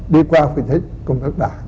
bộ phận thì giao cho bạn